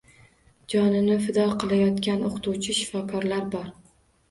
Jonini fido qilayotgan o‘qituvchi, shifokorlar bor.